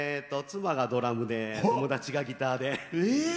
妻がドラムで友達がギターで。